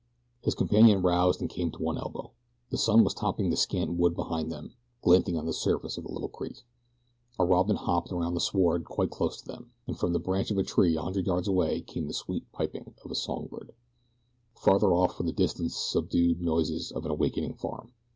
His companion roused and came to one elbow. The sun was topping the scant wood behind them, glinting on the surface of the little creek. A robin hopped about the sward quite close to them, and from the branch of a tree a hundred yards away came the sweet piping of a song bird. Farther off were the distance subdued noises of an awakening farm.